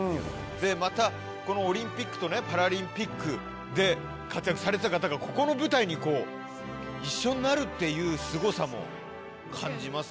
またこのオリンピックとねパラリンピックで活躍されてた方がここの舞台に一緒になるっていうすごさも感じますよね。